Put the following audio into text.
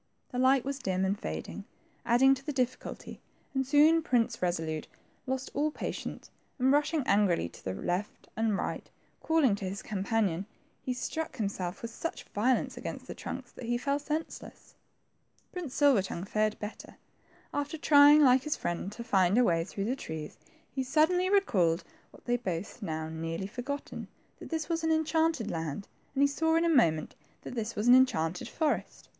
The light was dim and fading, adding to the difidculty, and soon Prince Kesolnte lost all patience, and rushing angrily to the right and left, calling to his companion, he struck nimself with such violence against the trunks that he fell senseless. Prince Silver tongue fared better. After trying, like his friend, to find a way through the trunks, he suddenly recalled what they had both now nearly forgotten, that they were in the enchanted land, and saw in a moment that this was an enchanted forest.